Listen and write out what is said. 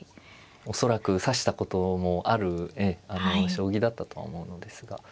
恐らく指したこともある将棋だったとは思うのですが。